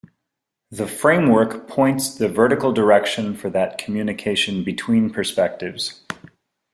The Framework points the vertical direction for that communication between perspectives.